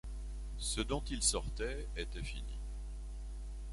Ce dont il sortait était fini.